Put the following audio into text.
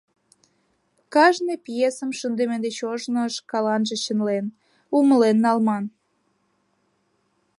Кажне пьесым шындыме деч ожно шкаланже чынлен, умылен налман.